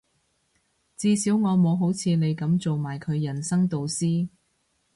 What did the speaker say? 至少我冇好似你噉做埋佢人生導師